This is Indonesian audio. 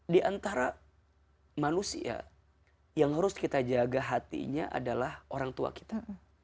di antara manusia yang harus kita jaga hatinya adalah orang tua kita